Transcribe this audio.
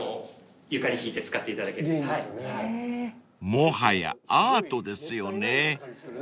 ［もはやアートですよね］